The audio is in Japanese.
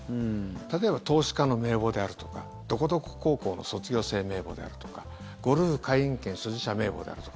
例えば、投資家の名簿であるとかどこどこ高校の卒業生名簿であるとかゴルフ会員権所持者名簿であるとか。